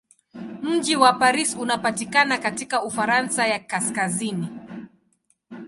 Mji wa Paris unapatikana katika Ufaransa ya kaskazini.